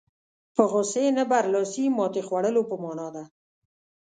په غوسې نه برلاسي ماتې خوړلو په معنا ده.